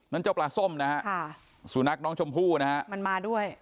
เจ้าปลาส้มนะฮะสุนัขน้องชมพู่นะฮะมันมาด้วย